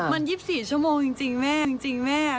มัน๒๔ชั่วโมงจริงแม่